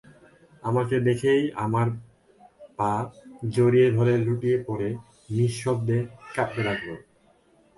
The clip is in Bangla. আমাকে দেখেই আমার পা জড়িয়ে ধরে লুটিয়ে পড়ে নিঃশব্দে কাঁদতে লাগল।